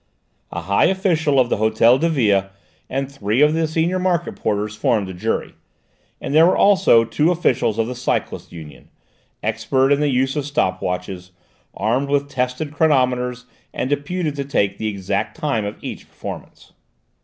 A high official of the Hôtel de Ville and three of the senior Market Porters formed the jury, and there were also two officials of the Cyclists' Union, expert in the use of stop watches, armed with tested chronometers and deputed to take the exact time of each performance.